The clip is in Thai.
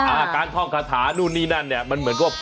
อ่าการท่องคาถานู่นนี่นั่นเนี่ยมันเหมือนกับ